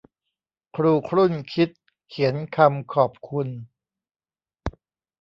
ครูครุ่นคิดเขียนคำขอบคุณ